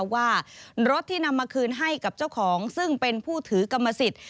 ว่ารถที่นำมาคืนให้กับเจ้าของซึ่งเป็นผู้ถือกรรมสิทธิ์